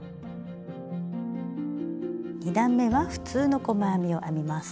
２段めは普通の細編みを編みます。